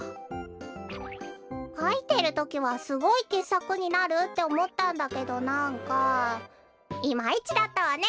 かいてるときはすごいけっさくになるっておもったんだけどなんかいまいちだったわね！